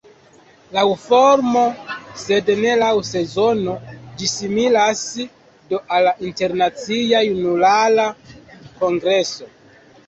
Laŭ formo, sed ne laŭ sezono, ĝi similas do al Internacia Junulara Kongreso.